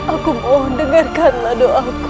aku mohon dengarkanlah doaku